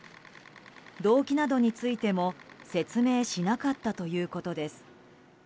動機などについても説明しなかったということです。